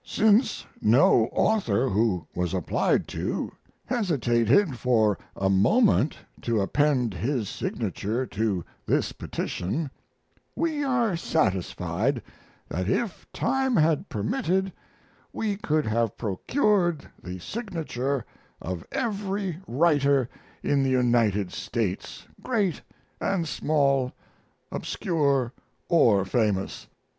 Since no author who was applied to hesitated for a moment to append his signature to this petition we are satisfied that if time had permitted we could have procured the signature of every writer in the United States, great and small, obscure or famous.